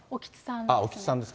興津さんですね。